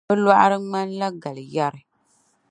Bɛ lɔɣiri ŋmanila gbal’ yari.